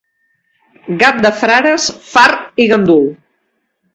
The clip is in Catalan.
Gat de frares, fart i gandul.